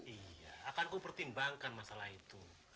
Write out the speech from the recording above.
iya akan ku pertimbangkan masalah itu